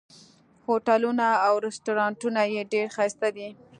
هوټلونه او رسټورانټونه یې ډېر ښایسته دي.